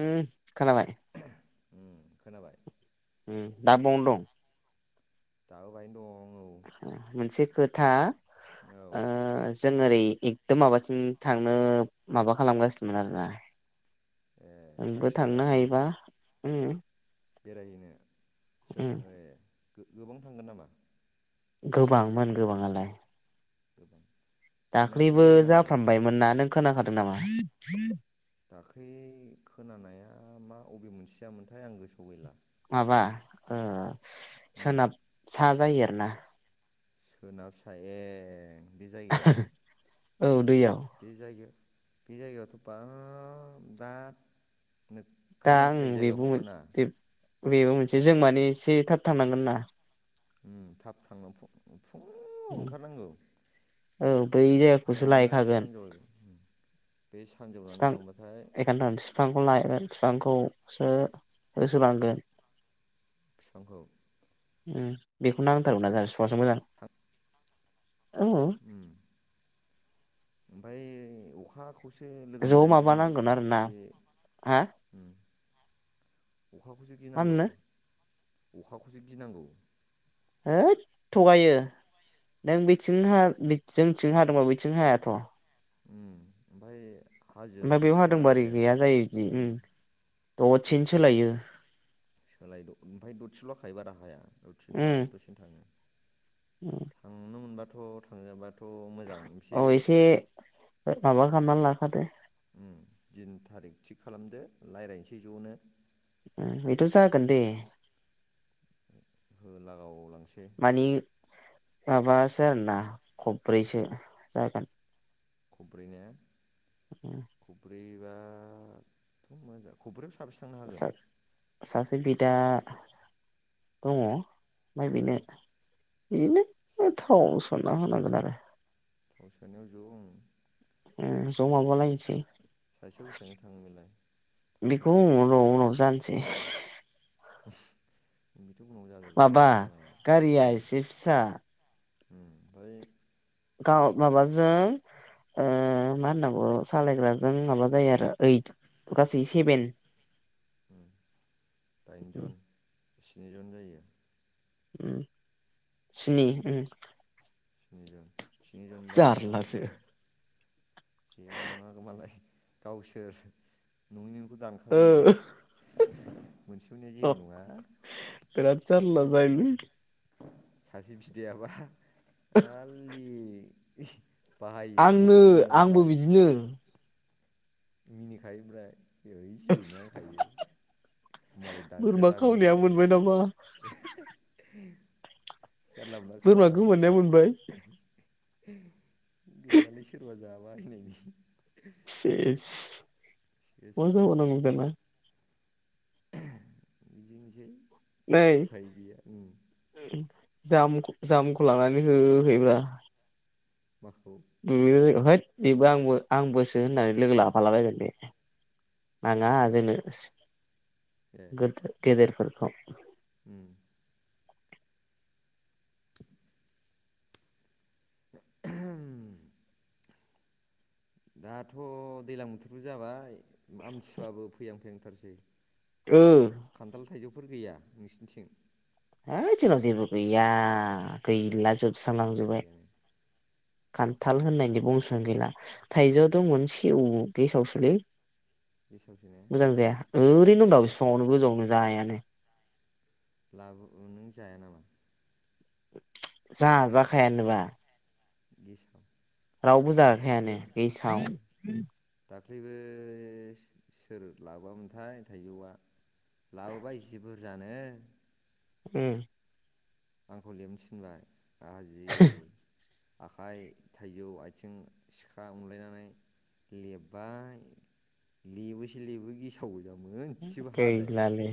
उम खोनाबाय उम खोनाबाय उम दा बावनो दं दाबो बायनो दं मोनसे खोथा दं औ ओ जों ओरै एकदम माबासिम थांनो माबा खालामगासिनोमोन आरोना ए नोंबो थांखि थांनो लागासिनो हायोबा उम बेरायहैनो सोर उम ए गो गोबां थांगोन नामा गोबांमोन गोबाङालाय गोबां थांनायाथ' दाख्लैबो बेरायनांगौ जाफ्रामबायमोन ना नों खोनाखादों नामा दाख्लै खोनानाया मा अबे मोनसेया मोनथाय आं गोसोआव गैला माबा ओ उम सोनाब सा जायो आरोना सोनाब सा ए औ दैयाव बे जायगायाव थ' बाब दा नोगोर दा आं मानसि जायो बेबो जायगाखौनो मोना बेबो मोनसे जों माने एसे थाब थांनांगोन ना उम थाब थांनो फ फुुंआव ओंखारनांगौ औ बै ओमफाय जायगाखौसो नोङो लायैखागोन सानजौ बे सानजौनानै बिफां थांबाथाय एखौथन बिफांखौ लागोन। बिफांखौसो होसो बांगोन। बिफांखौ। उम बेखौनो नांथारगौ ना जोंहा बिफांआसो मोजां। ओं। उम ओमफाय अखा खौसो एसे लोगो ज' मोनजानो गिनांगौ माबानांगोन उम आरोना बे हा उम। अखाखौसो मा गिनांगौ। होनो अखाखौसो गिनांगौ। हैद थगायो नों बेथिं हा बेथि जोंथि हादोंब बेथिं हायाथ'। ओ ओमफ्राय। ओमफ्राय बेयाव हादोंबारि गैया जायो बिदि उम ओ। द सेनो सोलायो। सोलाय ओमफ्राय दरसेल'खायो बारा हाया दरसेनो उम हाबाय दरसेनो थाङो। थांनो मोनबाथ। थ' थाङोबा। थ' मोजां एसे। माबा खामना लाखादो। उ दिन थारिख थिग खालामदो रायज्लायसै ज'नो। बेद' जागोन दे। होलागावावलांसै। मानि माबासो आरोना खब्रैसो जागोन। खब्रैनो। उम खब्रै। मा खब्रै। सासे बिदा। दङ। माय ओ बिनो। बेनो थाव सनना होनांगोन आरो। फाव सानायाव जओ। उ जमाबा लायसै। सासेयाव बेसेबां थाङो बेलाय बेखौ गावसोरनिवावलाय। [inaudible] उनाव उनाव जानोसै माबा गारिया एसि फिसा। ओमफ्राय‌। गाव माबाजों ओ मा होनना बौ सालायग्राजों माबा जायो आरो ओइट गासै सेभेन। बाइजन। स्निजन जायो। उ स्नि उ। निजां। स्निजन बा माबो। जेबो नङाखोमालाय गावसोर न'नि। दानखागोननो। मोनसेफोरनिया अ जेबो नङा बिराद जारला बाइलै सासे बिदायाबा खालि [unintelligible] आंनो बर'आव मोना आंबो बिदिनो मिनिखायोओमफ्राय ओइ जेबोनङा हुनखायो मालाय दानग्रो बोरमा दानलै खावनाया मोनबाय नामा होनखायो जानला मोनला खाना बोरमा गोमानाया मोनबाय गैलालै सोरबा जाबायहोननायनि सेस मा सेसखा जाबावनांगौ दाना बिदिनिसै नै उफाय गैया ओं जाम जाम्खौ लानानै होहैब्रा माखौ उहइत बेबो आंबो आंबोसो होननानै लोगो लाफालाबायबायलै मानो आङा जोंनो ए गोद गदेरफोर थ उम [unintelligible] दाथ' दैलां बोथोरबो जाबाय आमथिसुवाबो फैहां फैहांथारसै ओ खान्थाल थायजौ फोर गैया नोंसिनिथिं हेय जोना जेबो गैया गैला जेबो जोबस्रांलांजोबबाय गैयानो खान्थाल जा होननायनि बंस आनो गैला थाइजौ दंमोन सेव गेसावसोलै। मोजां जाया [unintelligible] ओरैनो दं बिफाङावनो गोजावनो जायानो। लाबो ओ नों जाया नामा? जा जाखायानोबा। [unintelligible] रावबो दाख्लैबो जायाखायानो ए गेसाव। दाख्लैबो सोर लाबोआमोनथाय थाइजौआ लाबोबा इसे बुरजानो। ओम आंखौ लेबनो थिनबाय। आंहा जि [unintelligible] आखाइ थाइजौ आथिं सिखा अनलायनानै लेबबाय लेबोसो लेबो गेसाव। मोनसेबो हा जाया। गैलालै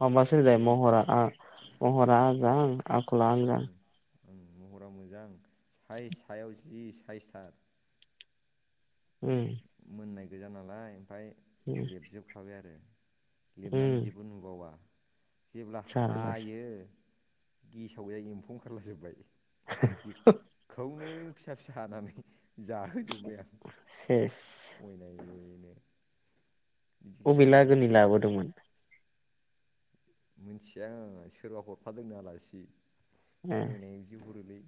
माबासो जाय महरा महरा आजां। आख ला आजां। उम महरा मोजां। साय सायाव जि साइसथार। ओम मोननाय गोजा नालाय। फाय उम लेबजोबखाबाय आरो। लिरनानै उम जेबो नुबावा। जेब्ला जारलासो हायो। गेसाव गोजा एम्फौ ओंखारलाजोबबाय। बेखौनो फिसा फिसा। हानानै जाहो सेस। नुनायलसो बबे लागोनि लाबोदोंमोन। मिथिया सोरबा हरफादोंनो आलासि। ए अयनाय बिदि हरोलै।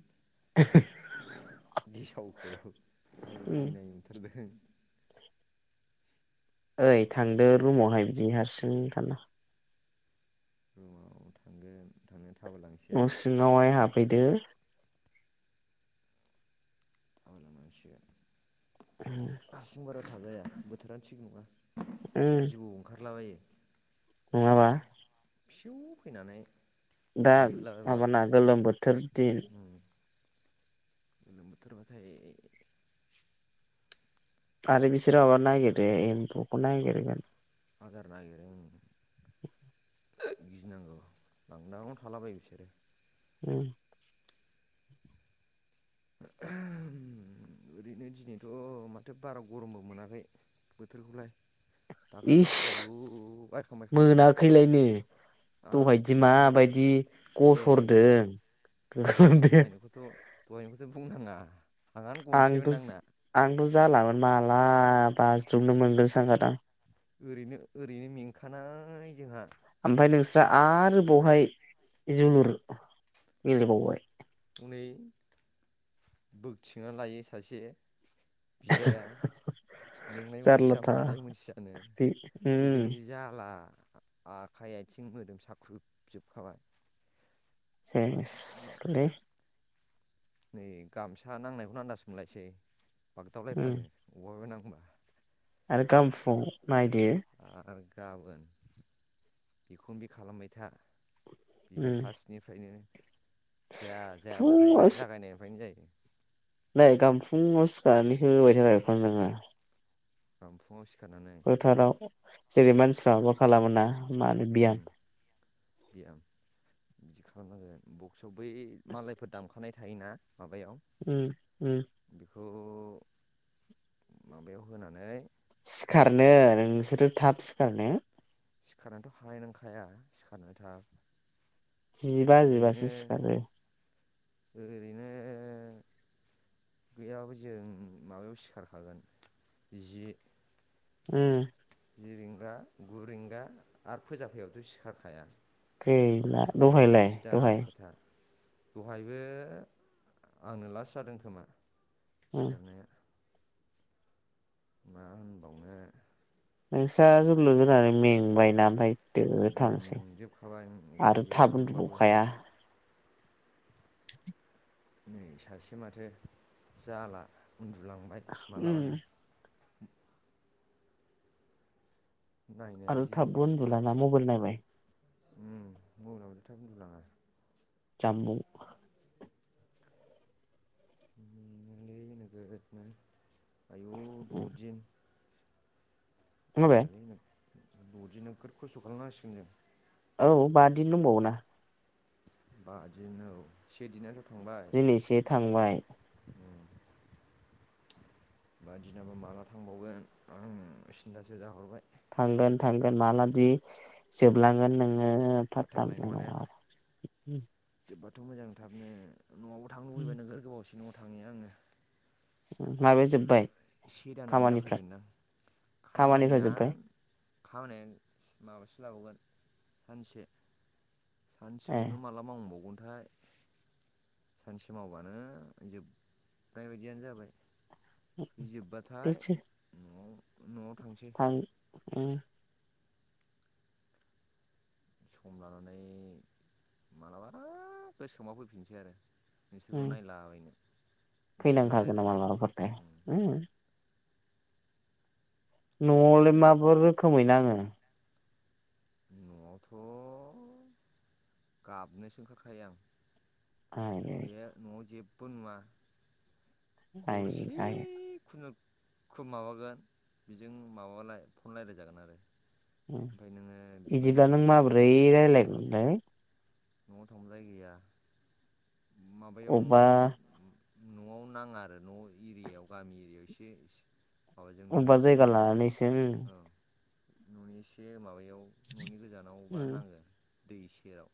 गिसावखौ उम अयनाय नुथारदों। ओइ थांदो रुमावहाय बिदि हारसिंं था रुमाव थांगोन थां न सिङावहाय हाबफैदो [unintelligible] हारसिं बारा [unintelligible] थाजाया बोथोरानो थिग नंङा जिबौआव ओंखारलाबायो नंङाबा सिउ फैनानै दा फानफैलाबायबा माबाना गोलोम बोथोर दिन गोलोम बोथोर बाथाय आरो बिसोरो माबा नागिरो एमबु नागिरगोन आदार नागिरो गिनांगौ लांदांआवनो थालाबायो बिसोरो [unintelligible] ओम ओरैनो दिनैथ माथो बारा गरमबो मोनाखै बोथोरखौलाय इस दाख्लैफोरसो आयु बायखां बायखांथार मोनाखैलायनो दहायदि आंहा माबायदि ए दहाय गसरदों गोदो [unintelligible] [unintelligible] ' बुंनाङा आंहानो गनोसैमोन आंदस आंना आंदस [unintelligible] जालाोन माला बाज्रुमनो मोनगोनसो सानखादां। ओरैनो ओरैनो मेंखानाय जोंहा ओमफफ्राय नोंस्रा आरो बावहाय जोलुर गेलेबावबाय हनै बोगथिंना लायो सासे बिदाया मेंनाय मोनथिया जारलाथार मानाय मोनसियानो बे उम ओजोंदि जाला आखाइ आथिं मोदोम साख्रुबजोबखाबाय सेसलै नै गामसा नांनायखौनो आन्दास मोनलायसै उम बागदावलायफङो अबावहाबाय नांगौ [unintelligible] [inaudible] आरो गाम फुं नायदो आरो गाबोन बेखौनो बे खालामबाय था बिबो उम फार्स्टनिफ्रायनो जाया जायाबाथाय फुङाव जागायनायनिफ्रायनो जायो नै गामफुाव सिखारनानै [unintelligible] गाबोन फुंआव [unintelligible] फोथाराव [unintelligible] जेरै मानसिफ्राबो खालामोना मा होनो बियाम बेयाम बिदि खालामनांगोन औ। बै मालायफोर दामखानाय थायोना माबायाव उम उम खौ माबायाव होनानै सिखारनो नोंसोरो थाब सिखारनो सिखारनानैथ' हानायनांखाया सिखारनानै थ' जिबा जिबासो सिखारो ओरैनो गैयाबाबो जों माबायाव सिखारखागोन जि उम जि रिंगा गुरिंगा आरो फोजा फैबाबोथ' सिखारखाया गैला बेथ' दहायलाय सिदा दहाय खोथा दहायबो आंनो लास जादों खोमा? सिखारनाया। मा होनबावनो आरो नोंसा जोलुर जोनानै मेंबायना ओमफ्राय दो थांसै मेंजोबखाबाय उफाय आरो गैया थाब मेंबाबो ऊन्दुबावखाया [inaudible] नै सासे माथो जाला। उन्दुलांबाय मालाबानो उम नायनो आरो थाबबो उन्दुलाना मबाइल नायबाय [inaudible] हम मोनायावबो थाब उन्दुलाङा। जामबुं उम लै नोगोद नो आयु द'दिन खोनाबाय गैलालैनो द'दिन नोखोर खस्त' खालामनांसिगोन जों। औ बादिन दंबाववोना। बा दिन औ। से दिनाथ' थांबाय दिनैसे थांबाय। बादिनाबा माला थांबावगोन आं सिन्थासो जाहरबाय। थांगोन थांगोन मालादि जोबलांगोन नों? नों पात्ता मोननाय नङा आरो थ' मोजांथाबनो। न'आवबो थानो लैबाय नोगोर गोबावसिनमोन। थांनि आङो माबाया जोब्बाय? से दानानै खामानिफ्रा जाफैबायदां खामानिफ्रा खामानिया जोब्बाय खामानिया माबासो लाबावगोन सानसे ए सानसेखौनो माला मावबावगोन? नाथाय सानसे मावबानो जोबनाय बायदियानो जाबाय। इजोबबाथाय बेसो न'आव न' थां उम सम लानानै माब्लाबा गोसोखांबा फैफिनसै आरो नोंसोरखौ उम नायलाबायनो नोंसोरजों फैनांखागोन ना रायलायलाबायनो मालाबाफोरथाय उम न'आवलाय माबोर रोखोमै नाङो न'आवथ' गाबनोसो ओंखारखायो आं ओ बे नआव जेबो नुवा आयै गरसे आयै खुनो खुब माबागोन बेजों माबालाय फन रायलाय जागोन आरो ओम ओमफ्राय नोङो बिदि इदिबा नों माब्रै रायलाय दै न'आव थांब्लालाय गैया माबायाव अबबा न'अन न'आव नाङा आरो न' एरियायाव गामि एरियायाव एसे माबाजों न'नि मबेबा एसे जायगा गोजानाव थां लानानै इसे हो ओं ननि इसे माबाय याव न'नि गोजानावबा उम नाङो दै सेराव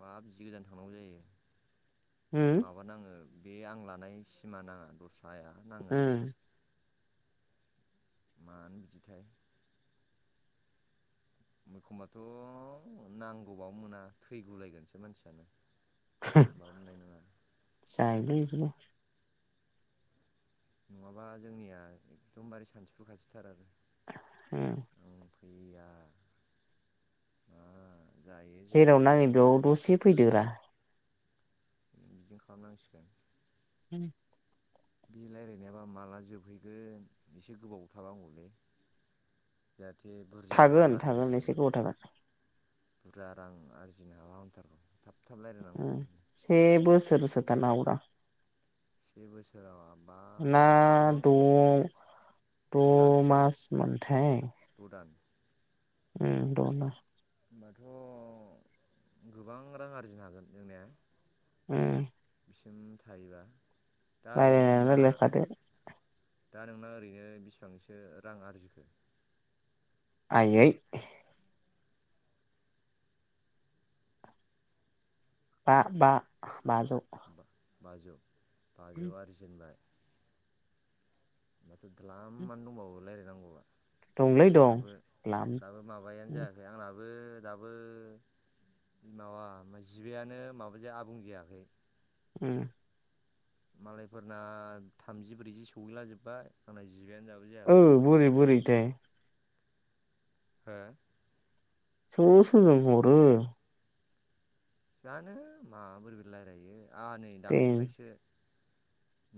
मा बिदि गोजान थांनांगौ जायो उम माबानाङो बे आं लानाय सिमा नाङा दस आया नाङो आरो उम मानो बिदिथाय एखमबाथ' नांगौबाबो मोना थैगुलायगोनसै मानसियानो होमबाबो मोननाय [unintelligible] नङा जायोलै बिदिनो नङाबा जोंनिया एकदमबारे सानसिफु खाथिथार आरो होम आं फैया ओ जेराव नाङै बेयाव दसे फैदो रा। ओम बिदिनो खालामनांसिगोन। उम बे रायलायनायाबा माला जोबहैगोन एसे गोबाव थाबा हामगौमोनलै। थागोन थागोन एसे गोबाव थागोन। बुरजा रां आरजिनो हाबा हामथारगौ। थाब थाब रायज्लायनांगौ ओंखायनो से बोसो रसो थानो हागौ दां। से बोसोराव आ ना द' द' दान द'मास मोनथाय। द' दान उम द'ना होनोबाथ' गोबां रां आरजिनो हागोन जोंने? उम सिम थायोबा? दा ओरैनो रायलायनाया नोंना रायलायखादो। दा नोंना ओरैनो बिसिबांसो रां आरजिखो? आयै बा बा। बाजौ। बाजौ। बा-बाजौ उम बाजौआरजि जेनबाय। ग्लाम मानो दंबावो लाइराय नांगौआ। दंलै दं दाबो द्लाम दाबो माबायानो जायाखै आंना दाबो दाबो माबा मा जिबायानो माबा जाया आबुं जायाखै। उम मालायफोरना थामजि ब्रैजि सौहैलाजोबबाय आंना जि ओ बोरै बोरैथाय? हो? [unintelligible] जानो माबोरैबोरै लायरायो? आ नै देन दाख्लैनिफ्रायसो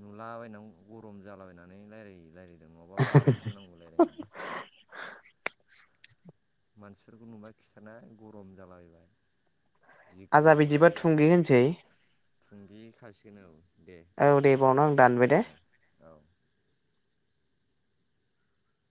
नुलाबायनांगौ गरम जालाबायनानै रायलायै रायलायो नङाबा बाबायसो मोन लायरायनो। मानसिफोरखौ नुबा खिथाना गरम जालाबायबाय। जि आजा बिदिबा थुंगे होनोसै? थुंगि खासिगोन औ दे औ दे बेावनो आं दानबाय दे औ औ